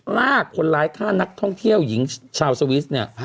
ลากคนร้ายฆ่านักท่องเที่ยวหญิงชาวสวิสเนี่ย